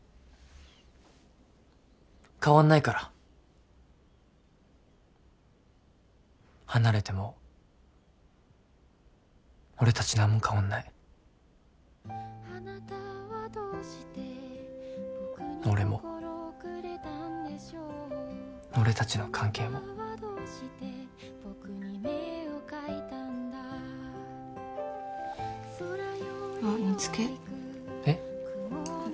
変わんないから離れても俺たち何も変わんない俺も俺たちの関係もあっ煮つけえっ？